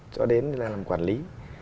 cho đến là làm quản lý